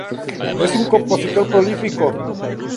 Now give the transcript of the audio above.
Es un compositor prolífico.